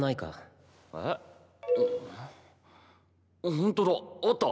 ホントだあった。